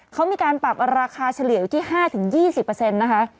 เขามีการปรับราคาเฉลี่ยอยู่ที่๕๒๐นะคะ